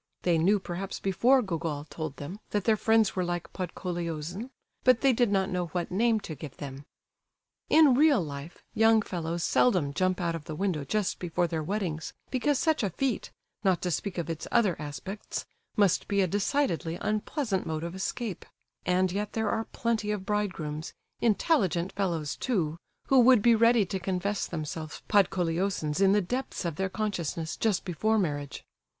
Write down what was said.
They knew, perhaps, before Gogol told them, that their friends were like Podkoleosin, but they did not know what name to give them. In real life, young fellows seldom jump out of the window just before their weddings, because such a feat, not to speak of its other aspects, must be a decidedly unpleasant mode of escape; and yet there are plenty of bridegrooms, intelligent fellows too, who would be ready to confess themselves Podkoleosins in the depths of their consciousness, just before marriage.